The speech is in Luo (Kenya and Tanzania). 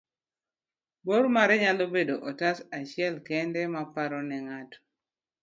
bor mare nyalo bedo otas achiel kende ma paro ne ng'ato